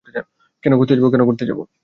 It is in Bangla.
কেন করতে যাবো?